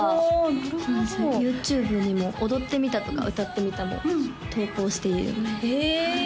なるほどＹｏｕＴｕｂｅにも「踊ってみた」とか「歌ってみた」も投稿しているのでへえ